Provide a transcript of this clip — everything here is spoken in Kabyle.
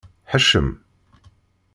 Ḥeccem.